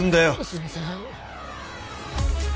すいません